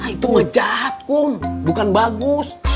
itu ngejahat kun bukan bagus